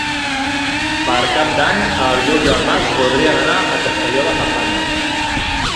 Per Cap d'Any en Lluc i en Max voldrien anar a Castelló de Farfanya.